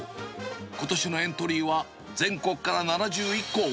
ことしのエントリーは、全国から７１校。